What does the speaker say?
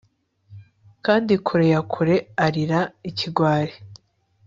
Kandi kure ya kure arira ikigwari